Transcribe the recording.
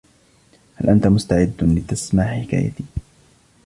هل أنت مستعد لتسمع حكايتي؟